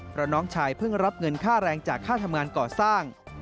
เพราะน้องชายเพิ่งรับเงินค่าแรงจากค่าทำงานก่อสร้าง